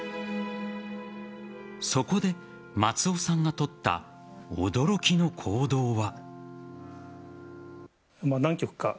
そこで、松尾さんが取った驚きの行動は。